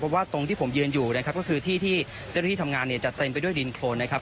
เพราะว่าตรงที่ผมยืนอยู่นะครับก็คือที่ที่เจ้าหน้าที่ทำงานเนี่ยจะเต็มไปด้วยดินโครนนะครับ